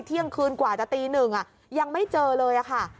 เที่ยงคืนกว่าจะตีหนึ่งยังไม่เจอเลยค่ะ